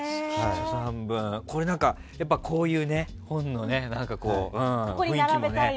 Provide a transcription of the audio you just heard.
これ、こういう本の雰囲気もね